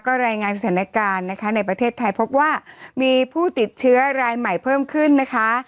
รายงานสถานการณ์นะคะในประเทศไทยพบว่ามีผู้ติดเชื้อรายใหม่เพิ่มขึ้นนะคะ